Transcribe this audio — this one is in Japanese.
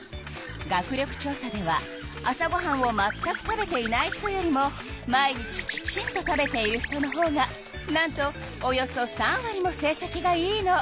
学力調査では朝ごはんをまったく食べていない人よりも毎日きちんと食べている人のほうがなんとおよそ３わりも成績がいいの。